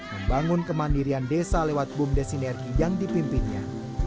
membangun kemandirian desa lewat bum desinergi yang dipimpinnya